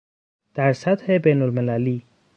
در سطح بین المللی